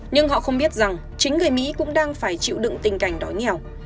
nhưng họ không biết rằng chính người mỹ cũng đang phải chịu đựng tình cảnh đói nghèo